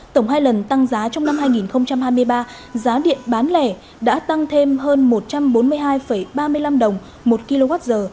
tổng hai lần tăng giá trong năm hai nghìn hai mươi ba giá điện bán lẻ đã tăng thêm hơn một trăm bốn mươi hai ba mươi năm đồng một kwh